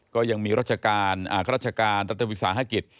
ก็ยังมีรัชการรัชการรัฐวิกษาฮะกิจ